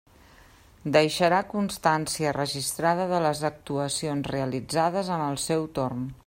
Deixarà constància registrada de les actuacions realitzades en el seu torn.